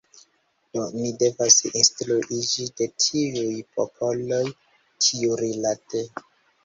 Do, ni devas instruiĝi de tiuj popoloj tiurilate.